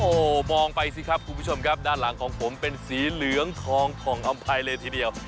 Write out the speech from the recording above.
โอ้โหมองไปสิครับคุณผู้ชมครับด้านหลังของผมเป็นสีเหลืองทองผ่องอำภัยเลยทีเดียว